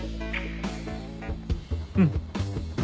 うん